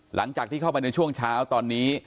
หลังจากที่เข้ามาในช่วงเช้าตอนนี้